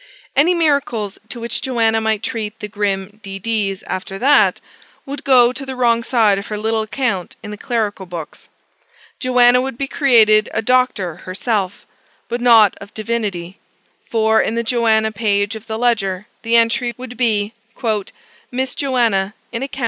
Any miracles, to which Joanna might treat the grim D. Ds. after that, would go to the wrong side of her little account in the clerical books. Joanna would be created a Dr. herself, but not of Divinity. For in the Joanna page of the ledger the entry would be "Miss Joanna, in acct.